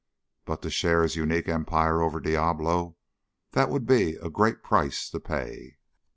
But to share his unique empire over Diablo that would be a great price to pay!